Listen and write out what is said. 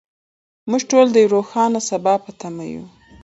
موږ ټول د یو روښانه سبا په تمه یو.